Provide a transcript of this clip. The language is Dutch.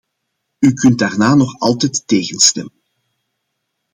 U kunt daarna nog altijd tegen stemmen.